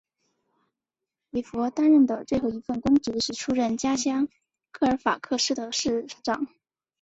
韦弗担任的最后一份公职是出任家乡科尔法克斯的市长。